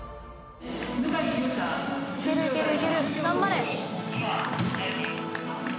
何で！？